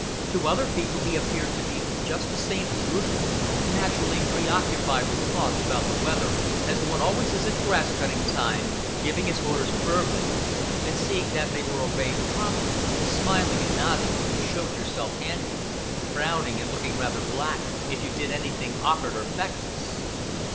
To other people he appeared to be just the same as usual, naturally preoccupied with thoughts about the weather as one always is at grass cutting time, giving his orders firmly, and seeing that they were obeyed promptly, smiling and nodding when you showed yourself handy, frowning and looking rather black if you did anything "okkard or feckless."